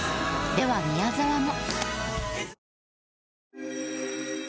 では宮沢も。